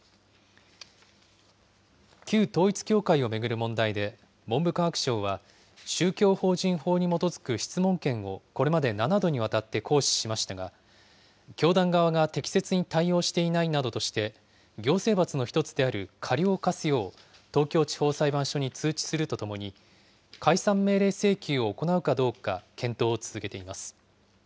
旧統一教会を巡る問題で、文部科学省は、宗教法人法に基づく質問権をこれまで７度にわたって行使しましたが、教団側が適切に対応していないなどとして行政罰の１つである過料を科すよう、東京地方裁判所に通知するとともに、解散命令請求を行うかどうか検討を続けています。